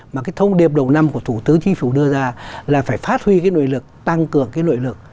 mà cái thông điệp đầu năm của thủ tướng chính phủ đưa ra là phải phát huy cái nội lực tăng cường cái nội lực